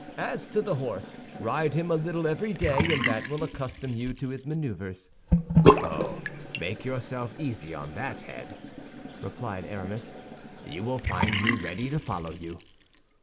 As to the horse, ride him a little every day, and that will accustom you to his maneuvers." "Oh, make yourself easy on that head," replied Aramis. "You will find me ready to follow you."